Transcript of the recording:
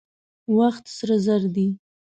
وخت سره زر دي.